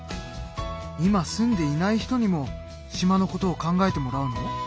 今住んでいない人にも島のことを考えてもらうの？